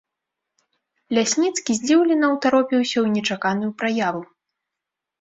Лясніцкі здзіўлена ўтаропіўся ў нечаканую праяву.